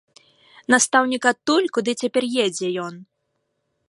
Настаўнік адтуль, куды цяпер едзе ён!